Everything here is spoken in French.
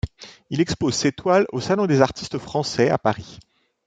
Il expose ses toiles au Salon des artistes français à Paris.